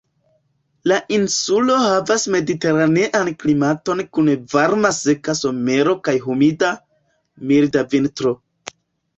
La insulo havas mediteranean klimaton kun varma seka somero kaj humida, milda vintro.